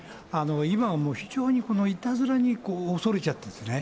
今はもう非常にこのいたずらに恐れちゃってるんですね。